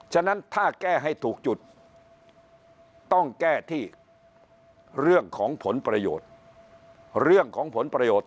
ฉะนั้นถ้าแก้ให้ถูกจุดต้องแก้ที่เรื่องของผลประโยชน์